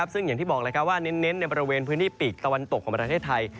ซึ่งอย่างที่บอกว่าเน้นในบริเวณพื้นที่ปีกตะวันตกของประเทศไทย